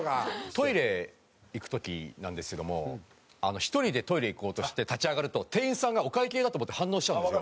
トイレ行く時なんですけども１人でトイレ行こうとして立ち上がると店員さんがお会計だと思って反応しちゃうんですよ。